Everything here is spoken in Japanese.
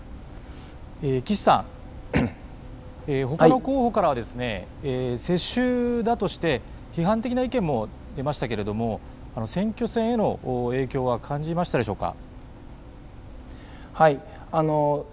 岸さん、ほかの候補からは世襲だとして批判的な意見も出ましたけれども選挙戦への影響は感じましたか。